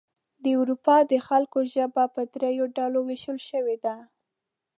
د اروپا د خلکو ژبه په دریو ډلو ویشل شوې ده.